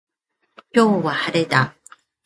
今日は晴れだ。